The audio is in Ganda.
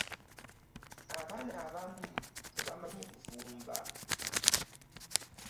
Abaana abamu tebamanyi kufumba.